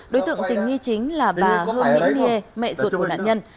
đối tượng tình nghi chính là bà hơ mỹ nghie mẹ ruột của nạn nhân